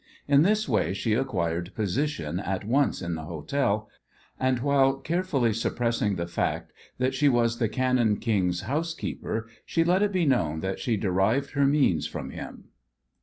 In this way she acquired position at once in the hotel, and while carefully suppressing the fact that she was the Cannon King's housekeeper she let it be known that she derived her means from him.